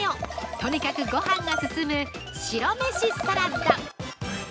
とにかくごはんが進む白飯サラダ。